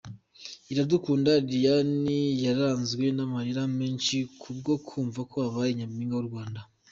Iradukunda Liliane yaranzwe n’ amarira menshi kubwo kumva ko abaye nyaminga w’ u Rwanda .